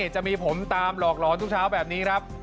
จะมีผมตามหลอกหลอนทุกเช้าแบบนี้ครับ